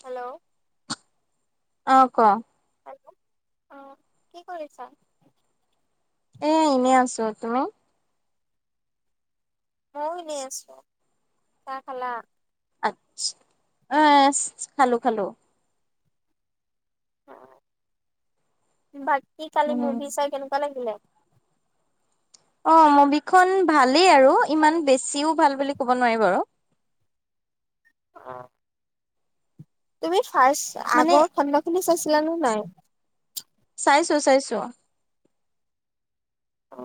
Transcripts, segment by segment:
Hello অ ক hello অ কি কৰিছা? এ এনেই আছো তুমি মইও এনেই আছো। চাহ খালা? আতছা বচ খালো- খালো। অ বাকী কালি উম মুভি চাই কেনেকোৱা লাগিলে? অ মুভিখন ভালেই আৰু ইমান বেছিও ভাল বুলি ক'ব নোৱাৰি বাৰু অহ তুমি ফাৰ্ষ্ট মানে আগৰ খণ্ড খিনি চাইছিলানে নাই? চাইছো চাইছো। অ।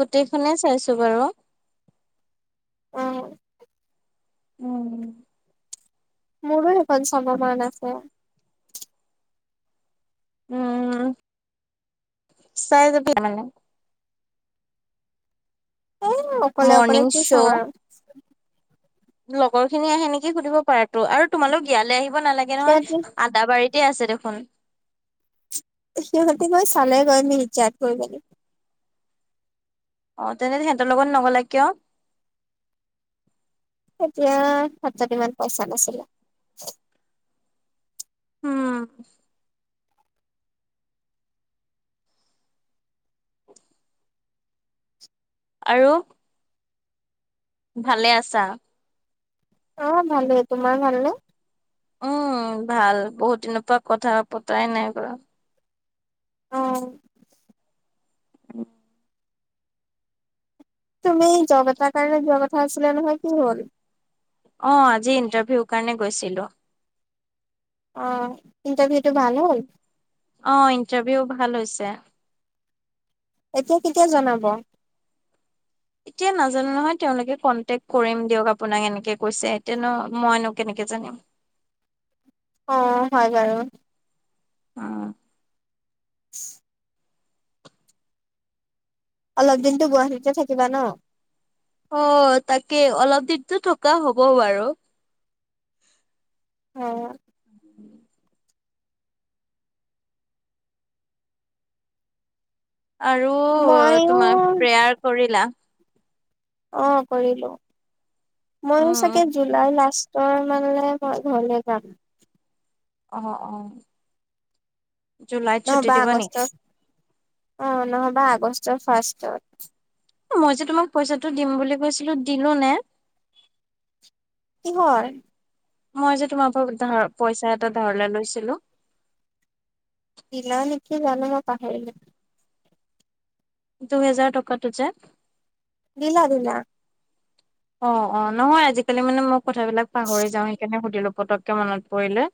গোটেইখনে চাইছো বাৰু অহ উম মোৰো এখন চাব মান আছে। উম চাই যাবি মানে। এই অকলে অকলে মৰ্ণিং কি চাম শ্ব' আৰু। লগৰ খিনি আহে নেকি সুধিব পাৰাতো আৰু তোমালোক ইয়ালে আহিব নালাগে সিহঁতি নহয় আদাবাৰীত তিয়ে আছে দেখোন। সিহঁতে মই চালে গৈ মিলি চাৰ্ট কৰি মেলি। অ তেনে সিহঁতৰ লগত নগলা কিয়? এতিয়া হাতত ইমান পইচা নাছিলে। উম আৰু। ভালে আছা? অ ভালেই তোমাৰ ভাল নে? উম ভাল বহুত দিনৰ পৰা কথা পতাই নাই কৰা। অহ। [inaudible] তুমি জব এটাৰ কাৰণে যোৱা কথা আছিলে নহয় কি হল? অ আজি ইণ্টাৰভিউ কাৰণে গৈছিলো। অ ইণ্টাৰভিউটো ভাল হ'ল? অ ইন্টাৰভিউ ভাল হৈছে। এতিয়া কেতিয়া জনাব? এতিয়া নাজানো নহয় তেওঁলোকে কনটেক্ কৰিম দিয়ক আপোনাক এনেকে কৈছে এতিয়া নো মইনো কেনেক- কে জানিম [inaudible] অ হয় বাৰু। অ। [inaudible] অলপ দিনটো গুৱাহাটীতে থাকিবা ন? অ তাকে অলপ দিনতো থকা হ'ব বাৰু। অ। উম আৰু মইও তোমাৰ প্ৰেয়াৰ কৰিলা। অহ, কৰিলো মইও চাগে উম জুলাই লাষ্ট তই মানে, মই ঘৰলৈ যাম। অহ অহ নহবা আগষ্টত অ'নহবা আগষ্টৰ ফাৰ্ষ্টত। মই যে তোমাক পইচাটো দিম বুলি কৈছিলো দিলো নে? কিহৰ? মই যে তোমাৰ পৰা ধা পইচা এটা ধাৰলে লৈছিলো। দিলা নেকি জানো মই পাহৰিলোৱে। দুহেজাৰ টকাটো যে দিলা দিলা। অ অ নহয় আজিকালি মানে মই কথাবিলাক পাহৰি যাওঁ সেইকাৰণে সুধিলো। পটককে মনত পৰিলে।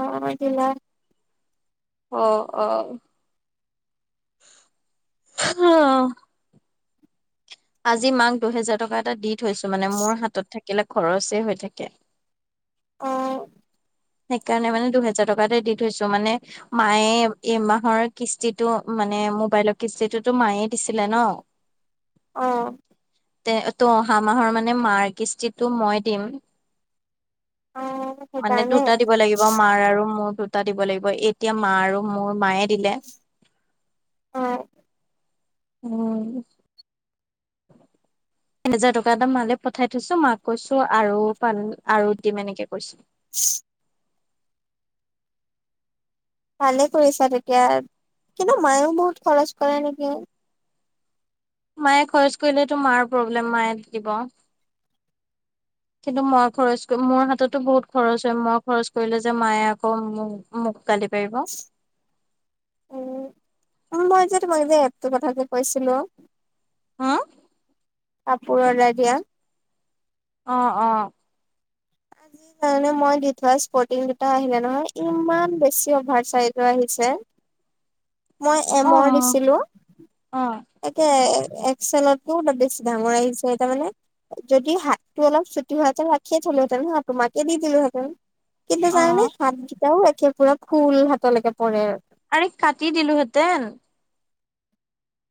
অ অ দিলা। অহ অহ [unintelligible] আজি মাক দুহেজাৰ টকা এটা দি থৈছো মানে মোৰ হাতত থাক কেলে খৰচ এ হৈ থাকে। অ সেইকাৰণে মানে দুহেজাৰ টকাতে দি থৈছো। মানে মায়ে এমাহৰ কিস্তিটো- মানে মোবাইলৰ কিস্তিটোতো মায়ে দিছিলে ন। অহ তে -তো অহা মাহৰ মানে মাৰ কিস্তিটো মই দিম। অ মানে সেইকাৰণে। দুটা দিব লাগিব মাৰ আৰু মোৰ দুটা দিব লাগিব এতিয়া মা আৰু মোৰ মায়ে- দিলে অ উম এহেজাৰ টকা এটা মালে পঠাই থৈছো। মাক কৈছো আৰু পা আৰু দিম এনেকে কৈছো। [unintelligible] ভালে কৰিছা তেতিয়া কিন্তু মায়েও বহুত খৰচ কৰে নেকি? মায়ে খৰচ কৰিলেতো মাৰ প্ৰব্লেম মায়ে দি দিব। [unintelligible] কিন্তু মই খৰচ মোৰ হাততো বহুত খৰচ হয় মই খৰচ কৰিলো যে মায়ে আকৌ মোক মোক গালি পাৰিব। উম মই যে তোমাক যে এপটো কথাটো কৈছিলো। হম কাপোৰ অৰ্ডাৰ দিয়া। অহ - অহ আজিৰকাৰনে মই দি থোৱা স্পৰ্টিং দুটা আহিলে নহয় ইমান বেছি অভাৰ চাইজৰ আহিছে। যে মই অ এমৰ দিছিলো। অ এতিয়া একচেলতকো বেছি ডাঙৰ আহিছে এ তাৰ মানে- যদি হাতটো অলপ চুটি হোৱাহেতেন ৰাখিয়ে থলো হেতেন হা তোমাকে দি দিলোহেঁতেন। কিন্তু অ জানানে হাতকেইটাও একে পুৰা ফুল হাতলৈকে পৰে আৰু। আৰে কাটি দিলোহেঁতেন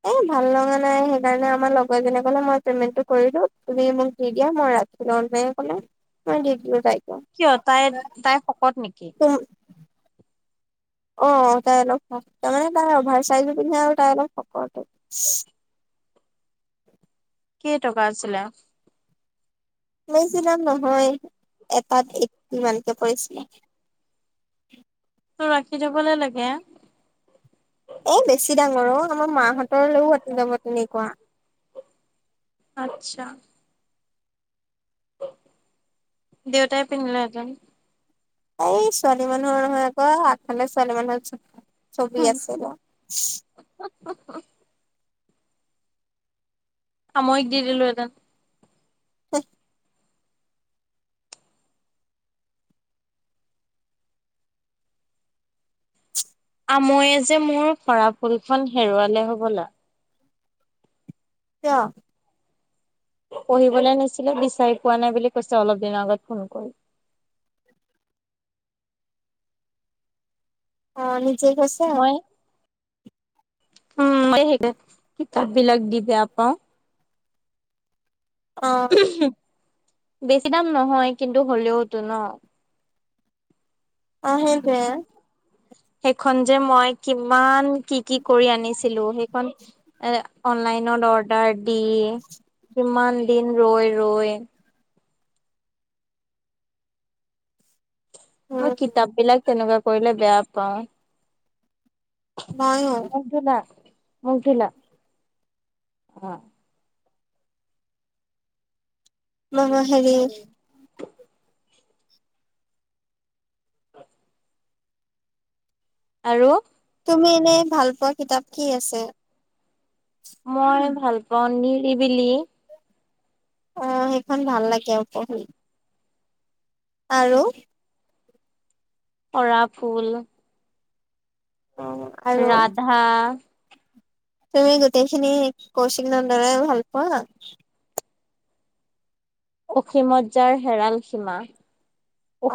[unintelligible] ভাল লগা নাই সেই কাৰণে আমাৰ লগৰ এজনীয়ে কলে মই পেমেন্টটো কৰি‌ দিও তুমি মোক দি দিয়া মই ৰাখি লৈ। [unintelligible] মই দি দিলোঁ তাইক। কিয় তাই তাই শকত নেকি? অ তাই অলপ শকত তাৰমানে তাই অভাৰ চাইজো পিন্ধে আৰু তাই অলপ শকত। কেই টকা আছিলে? বেছি দাম নহয় এটাত এটটি মানকে পৰিছিলে। [inaudible] টো ৰাখি থবলৈ লাগে। এ' বেছি ডাঙৰ অ' আমাৰ মাহঁতৰলৈও আটি যাব তেনেকুৱা। আতছা। দেউতাই পিন্ধিলে হেতেন। এই ছোৱালী মানুহৰ নহয় আকৌ আগফালে ছোৱালী মানুহৰ চু ছবি হুম, আছিলে। [unintelligible] আমৈক দি দিলোহেঁতেন। হে আময়ে যে মোৰ খৰা ফুলখন হেৰুৱালে হবলা। তেওঁ পঢ়িবলৈ নিছিলে, বিচাৰি পোৱা নাই বুলি কৈছে অলপ দিনৰ আগত ফোন কৰি। অ নিজে কৈছে? মই উম [unintelligible] দি বেয়া পাওঁ। অ। বেছি দাম নহয় কিন্তু হ'লেও টো ন? অ সেইটোৱে। সেইখন যে মই কিমান কি কি কৰি আনিছিলো, সেইখন এ অনলাইনত অৰ্ডাৰ দি কিমান দিন ৰৈ ৰৈ মই উম কিতাপ বিলাক তেনেকুৱা কৰিলে বেয়া পাওঁ। মইও মুখ ধুলা? মুখ ধুলা? অ'। নহয় হেৰি আৰু? তুমি এনে ভাল পোৱা কিতাপ কি আছে? মই ভাল পাওঁ নিৰিবিলি। অ' সেইখন ভাল লাগে পঢ়ি। আৰু? সৰাফুল। অ আৰু ৰাধা। তুমি গোটেইখিনি কৌচিক নন্দনৰে দৰে ভাল পোৱা? অসীমত যাৰ হেৰাল সীমা।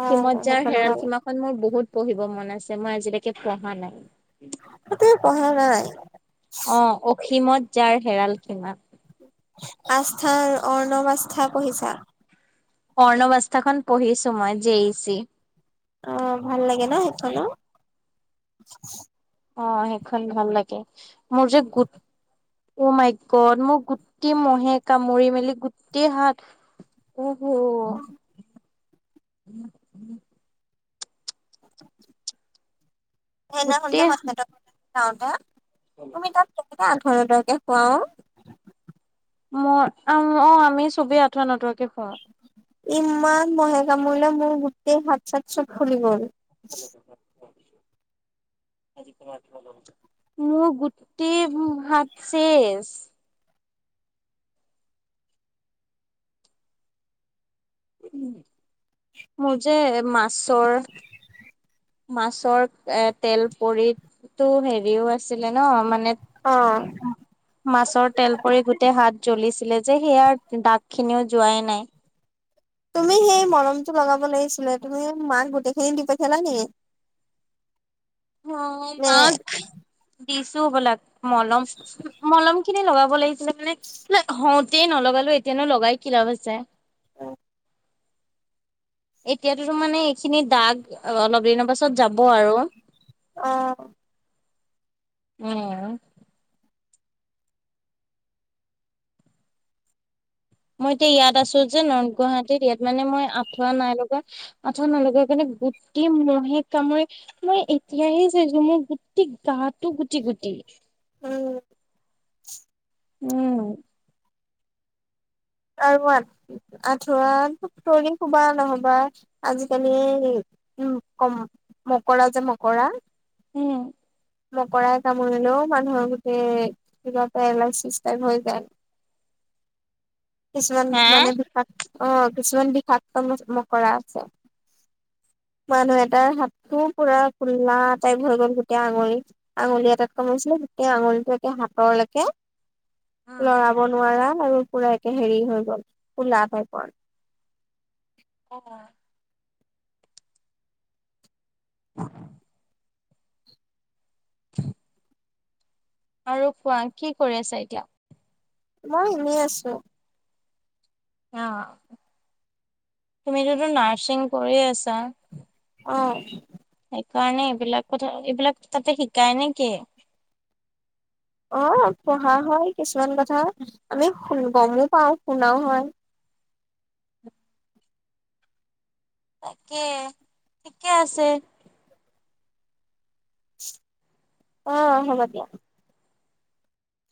অ যাৰ সেইখনো হেৰাল ভাল সীমাখন মোৰ বহুত পঢ়িব মন আছে, মই আজিলৈকে পঢ়া নাই। তুমি পঢ়া নাই? অ' অসীমত যাৰ হেৰাল সীমা। আস্থাৰ অৰ্ণৱ আস্থা পঢ়িছা? অৰ্ণৱ আস্থাখন পঢ়িছো মই যে জে ই ছি। অ' ভাল লাগে ন সেইখনো? অ' সেইখন ভাল লাগে, মোৰ যে গোট উ মাইগড মোৰ গোটেই মহে কামুৰি মেলি গোটেই হাত উ [inaudible] [inaudible] সেইদিনাখন যে গোটেই [unintelligible] যাওঁতে তুমি তাত এ আঁঠুৱা নতৰাকে শোৱাও। মই অ আমি চবেই আঁঠুৱা নতৰাকে শোওঁ। ইমান মহে কামুৰিলে মোৰ গোটেই হাত চাত চব ফুলি গল। [inaudible] [unintelligible] মোৰ গোটেই হাত চেচ। মোৰ যে মাছৰ মাছৰ এ তেল পৰিটো হেৰিও আছিলে ন মানে অ' মাছৰ তেল পৰি গোটেই হাত জ্বলিছিলে যে সেয়াৰ দাগখিনিও যোৱাই নাই। তুমি সেই মলমটো লগাব লাগিছিলে তুমি মাক গোটেইখিনি দি পঠিয়ালা নেকি? [inaudible] অ' নে মাক দিছো বোলাক, মলম মলম খিনি লগাব লাগিছিলে মানে হও তেই নলগালো এতিয়ানো লগাই কি লাভ আছে। এতিয়াতো তো মানে এইখিনি দাগ অলপ দিনৰ পাছত যাব আৰু। অ'। উম। মই এতিয়া ইয়াত আছো যে নৰ্থ গুৱাহাটীত ইয়াত মানে মই আঁঠুৱা নাই লগোৱা, আঁঠুৱা নলগোৱা কাৰণে গোটৈই ম'হে কামৰি মই এতিয়াহে চাইছো মোৰ গোটেই গাটো গুটি গুটি। উম। উম। আৰু আঁঠুৱা তৰি শুবা নহবা আজিকালি উম কম, মকৰা যে মকৰা। উম। মকৰাই কামৰিলেও মানুহৰ গোটেই কিবা পেৰেলাইছিছ টাইপ হৈ যায়। কিছুমান হা মানে বিষা অ' কিছুমান বিষাক্ত ম - মকৰা আছে। মানুহ এটাৰ হাতটো পুৰা ফুল্লা টাইপ হৈ গ'ল গোটেই আঙুলি, আঙুলি এটাত কামোইছিলে। গোটেই আঙুলিটো এতিয়া হাতৰলৈকে, অ'। লৰাব নোৱাৰা আৰু পুৰা হেৰি হৈ গ'ল, কোলা পাইকন। অঁ। উ [inaudible] [inaudible] আৰু কোৱা কি কৰি আছা এতিয়া? মই এনেই আছো। অ, তুমিতোতো নাৰ্ছিং কৰি আছা। অ। সেইকাৰণে এইবিলাক কথা, এইবিলাক তাতে শিকায় নেকি? অ পঢ়া হয় কিছুমান কথা, আমি শুনিব গম পাও শুনাও হয়। তাকে ঠিকে আছে। অ হব দিয়া।